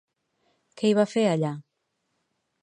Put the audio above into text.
Què hi va fer, allà?